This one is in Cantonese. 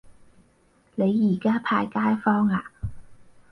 你而家派街坊呀